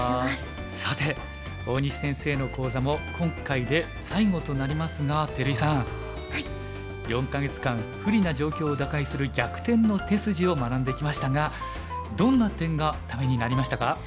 さて大西先生の講座も今回で最後となりますが照井さん４か月間不利な状況を打開する「逆転の手筋」を学んできましたがどんな点がためになりましたか？